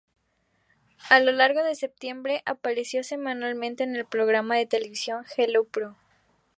A lo largo de septiembre, apareció semanalmente en el programa de televisión "Hello Pro!